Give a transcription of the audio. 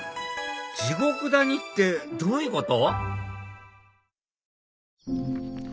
地獄谷ってどういうこと？